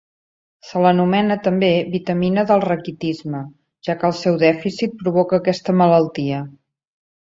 Se l'anomena també vitamina del raquitisme, ja que el seu dèficit provoca aquesta malaltia.